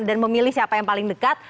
memilih siapa yang paling dekat